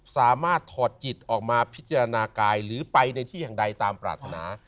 ถอดจิตออกมาพิจารณากายหรือไปในที่แห่งใดตามปรารถนา